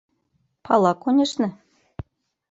— Пала, конешне.